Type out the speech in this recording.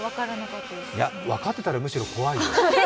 分かってたらむしろ怖いよ。